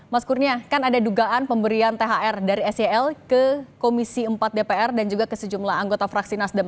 mas kurnia kan ada dugaan pemberian thr dari sel ke komisi empat dpr dan juga ke sejumlah anggota fraksi nasdem